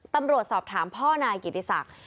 ตำรวจสอบถามพ่อนายกิติศักดิ์